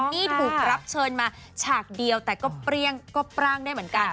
นี่ถูกรับเชิญมาฉากเดียวแต่ก็เปรี้ยงก็ปร่างได้เหมือนกัน